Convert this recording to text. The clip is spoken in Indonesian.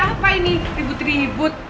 apa ini ribut ribut